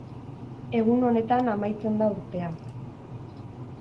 Egun honetan amaitzen da urtea.